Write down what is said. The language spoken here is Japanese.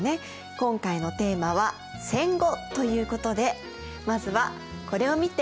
今回のテーマは戦後ということでまずはこれを見て！